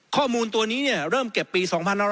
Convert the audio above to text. ข้อมูลตัวนี้เนี่ยเริ่มเก็บปี๒๑๓๑